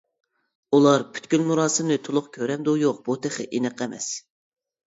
ئۇلار پۈتكۈل مۇراسىمنى تولۇق كۆرەمدۇ-يوق بۇ تېخى ئېنىق ئەمەس.